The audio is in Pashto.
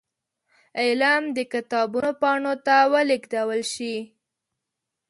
علم د کتابونو پاڼو ته ولېږدول شي.